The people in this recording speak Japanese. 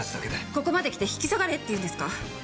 ここまで来て引き下がれっていうんですか！